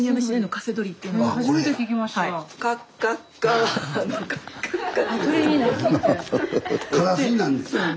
カラスになんねん。